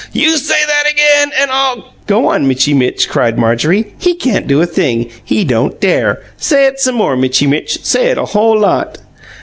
"You say that again, and I'll " "Go on, Mitchy Mitch," cried Marjorie. "He can't do a thing. He don't DARE! Say it some more, Mitchy Mitch say it a whole lot!"